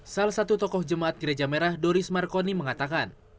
salah satu tokoh jemaat gereja merah doris markoni mengatakan